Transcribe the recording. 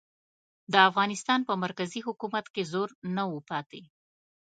د افغانستان په مرکزي حکومت کې زور نه و پاتې.